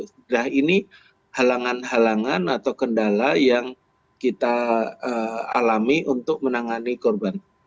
sudah ini halangan halangan atau kendala yang kita alami untuk menangani korban